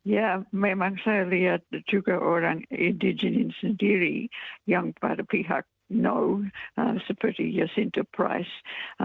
ya memang saya lihat juga orang indigenin sendiri yang pada pihak know seperti yes enterprise